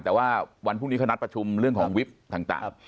แต่ว่าวันพรุ่งนี้เขานัดประชุมเรื่องของวิบต่าง